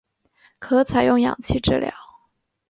可采用氧气治疗。